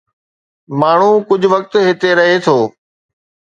ماڻهو ڪجهه وقت هتي رهي ٿو.